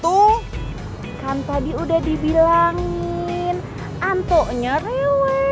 tuh kan tadi udah dibilangin antoknya rewel